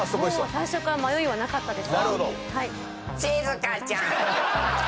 最初から迷いはなかったです。